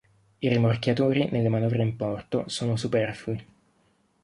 I rimorchiatori nelle manovre in porto sono superflui.